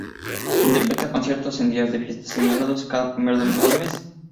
Se interpreta conciertos en días de fiesta señalados y cada primer domingo de mes.